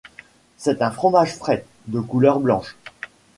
C’est un fromage frais, de couleur blanche.